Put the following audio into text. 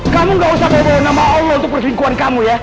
kamu gak usah bawa nama allah untuk perselingkuhan kamu ya